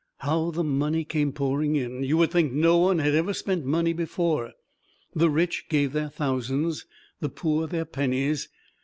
How the money came pouring in! You would think no one had ever spent money before. The rich gave their thousands, the poor their pennies.